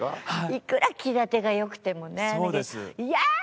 いくら気立てが良くてもね「イエーイ！」